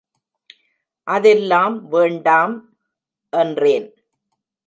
"அதெல்லாம் வேண்டாம்!" என்றேன்.